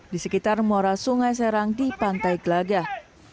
di sekitar muara sungai serang di pantai gelagah